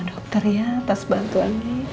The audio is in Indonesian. sama dokter ya atas bantuan ini